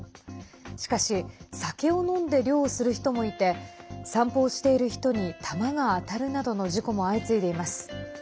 しかし酒を飲んで猟をする人もいて散歩をしている人に弾が当たるなどの事故も相次いでいます。